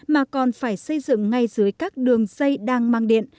mà còn phải xây dựng ngay dưới các đường dây đang mang điện